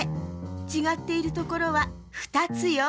ちがっているところは２つよ。